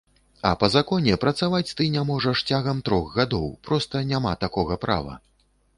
А па законе, працаваць ты не можаш цягам трох гадоў, проста няма такога права.